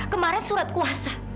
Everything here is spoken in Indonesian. kemarin surat kuasa